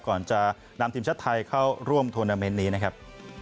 ก่อนจะนำทีมชาติไทยเข้าร่วมโทรนาเมนต์นี้นะครับ